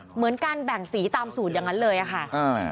เหมือนการแบ่งสีตามสูตรอย่างนั้นเลยอะค่ะอ่า